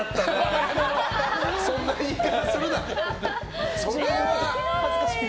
そんな言い方するな！